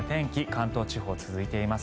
関東地方続いています。